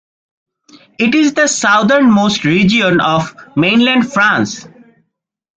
It is the southernmost region of mainland France.